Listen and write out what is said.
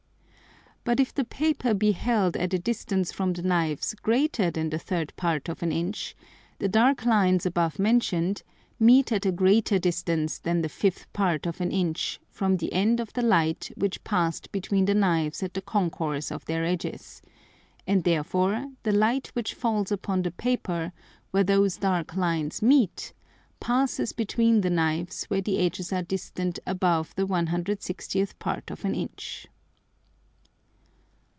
But if the Paper be held at a distance from the Knives greater than the third Part of an Inch, the dark Lines above mention'd meet at a greater distance than the fifth Part of an Inch from the end of the Light which passed between the Knives at the concourse of their edges; and therefore the Light which falls upon the Paper where those dark Lines meet passes between the Knives where the edges are distant above the 160th part of an Inch.